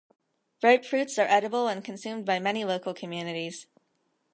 Ripe fruits are edible and consumed by many local communities.